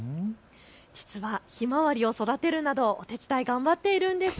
実はひまわりを育てるなどお手伝い頑張っているんです。